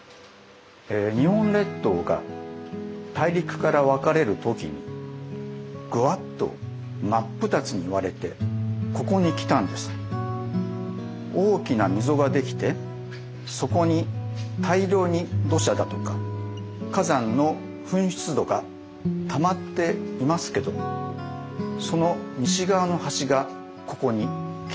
「日本列島が大陸から分かれる時にぐわっと真っ二つに割れてここに来たんです大きな溝ができてそこに大量に土砂だとか火山の噴出土がたまっていますけどもその西側の端がここに来ているの」。